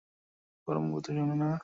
খুব গরম লোক, কারো কথা শোনে না।